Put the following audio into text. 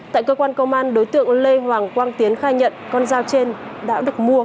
tại cơ quan công an đối tượng lê hoàng quang tiến khai nhận con dao trên đã được mua